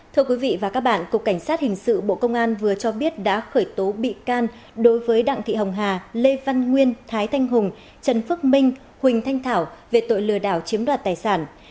thưa quý vị và các bạn cục cảnh sát hình sự bộ công an vừa cho biết đã khởi tố bị can đối với đặng thị hồng hà lê văn nguyên thái thanh hùng trần phước minh huỳnh thanh thảo về tội lừa đảo chiếm đoạt tài sản